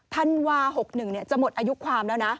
ธันวา๖๑จะหมดอายุความแล้วนะ